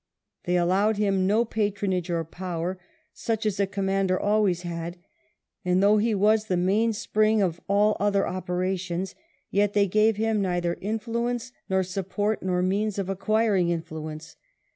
They allowed him no patronage or power, such as a commander always had ; and though he was *' the mainspring of all other operations," yet they gave him neither influence, nor VII ' MASSENA OBLIGED TO RETREAT 143 support, nor means of acquiring influence.